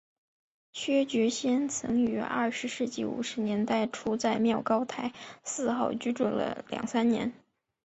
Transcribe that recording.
薛觉先曾于二十世纪五十年代初在妙高台四号居住了两三年。